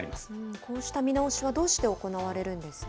こうした見直しは、どうして行われるんですか？